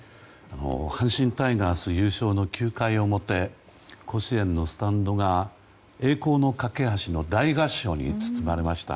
阪神タイガース優勝の９回表甲子園のスタンドが「栄光の架橋」の大合唱に包まれました。